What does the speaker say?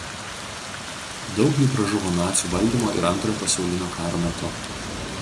Daug jų pražuvo nacių valdymo ir Antrojo pasaulinio karo metu.